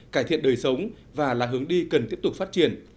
cải thiện đời sống và là hướng đi cần tiếp tục phát triển